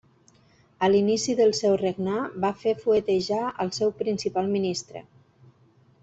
A l'inici del seu regnar va fer fuetejar al seu principal ministre.